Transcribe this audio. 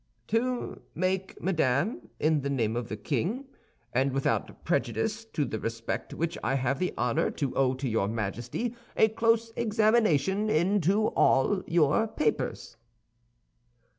"To make, madame, in the name of the king, and without prejudice to the respect which I have the honor to owe to your Majesty a close examination into all your papers."